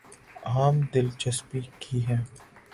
عام دلچسپی کی ہیں